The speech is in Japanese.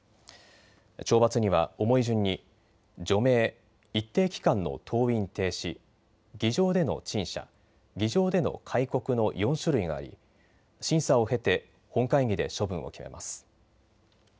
懲罰には重い順に、除名、一定期間の登院停止、議場での陳謝、議場での戒告の４種類があり審査を経て本会議で処分を決めます。